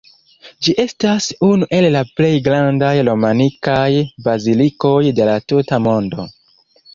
Ĝi estas unu el la plej grandaj romanikaj bazilikoj de la tuta mondo.